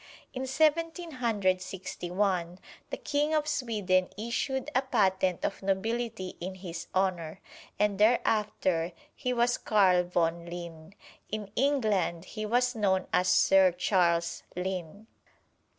In Seventeen Hundred Sixty one, the King of Sweden issued a patent of nobility in his honor, and thereafter he was Carl von Linne. In England he was known as Sir Charles Linn.